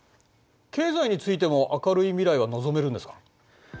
経済についても明るい未来は望めるんですか？